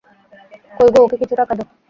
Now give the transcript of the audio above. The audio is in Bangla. কোই গো, ওকে কিছু টাকা দাও।